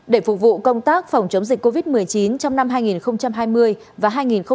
để phục vụ công tác phòng chống dịch covid một mươi chín trong năm hai nghìn hai mươi và hai nghìn hai mươi một